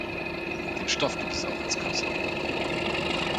Den Stoff gibt es auch als Kapsel.